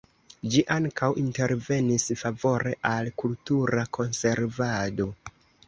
Ĝi ankaŭ intervenis favore al kultura konservado.